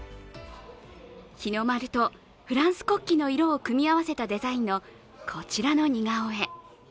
日の丸とフランス国旗の色を組み合わせたデザインのこちらの似顔絵。